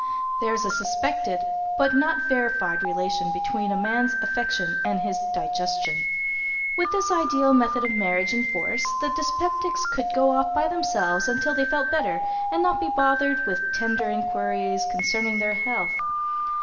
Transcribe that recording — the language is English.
There is a suspected but not verified relation between a man's affection and his digestion. With this ideal method of marriage in force, the dyspeptics could go off by themselves until they felt better, and not be bothered with tender inquiries concerning their health.